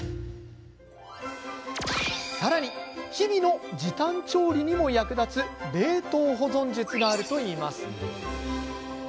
さらに、日々の時短調理にも役立つ冷凍保存術があるといいます。